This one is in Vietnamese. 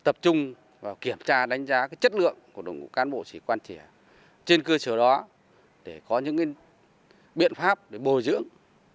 tập trung vào kiểm tra đánh giá chất lượng của đồng ngũ cán bộ sĩ quan trẻ trên cơ sở đó để có những biện pháp để bồi dưỡng